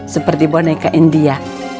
seperti boneka india